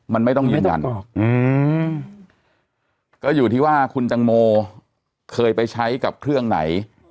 มันไม่ต้องยืนยันก็อยู่ที่ว่าคุณตังโมเคยไปใช้กับเครื่องไหน